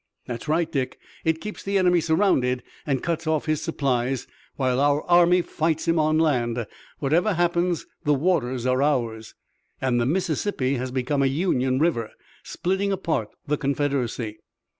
"That's right, Dick. It keeps the enemy surrounded and cuts off his supplies, while our army fights him on land. Whatever happens the waters are ours." "And the Mississippi has become a Union river, splitting apart the Confederacy."